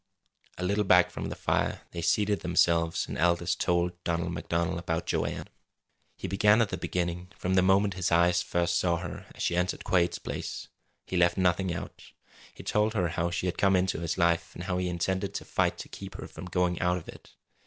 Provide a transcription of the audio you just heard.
A little back from the fire they seated themselves, and Aldous told Donald MacDonald about Joanne. He began at the beginning, from the moment his eyes first saw her as she entered Quade's place. He left nothing out. He told how she had come into his life, and how he intended to fight to keep her from going out of it.